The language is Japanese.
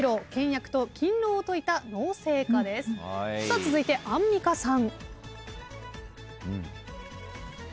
続いてアンミカさん。